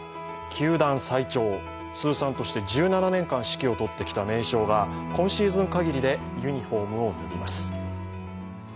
球団最長、通算として１７年間指揮を執ってきた原監督が今シーズンかぎりでユニフォームを脱ぎます。